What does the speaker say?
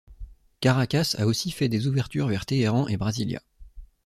Caracas a aussi fait des ouvertures vers Téhéran et Brasilia.